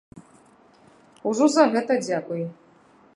Ужо за гэта дзякуй.